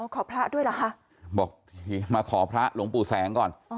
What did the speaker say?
พระด้วยเหรอคะบอกมาขอพระหลวงปู่แสงก่อน